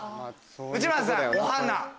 内村さん「おはな」。